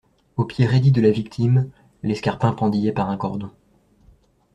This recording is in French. Au pied raidi de la victime, l'escarpin pendillait par un cordon.